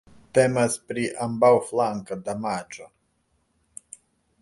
Temas pri ambaŭflanka damaĝo.